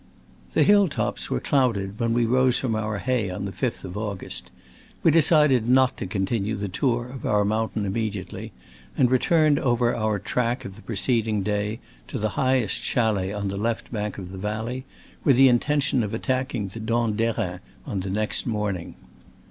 The hill lops were clouded when we rose from our hay on the 5th of August. We decided not to continue the tour of our mountain immediately, and return ed over our track of the preceding day to the highest chalet on the left bank of the valley, with the intention of attack ing the Dent d'Erin on the next morn ing.